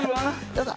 どうぞ。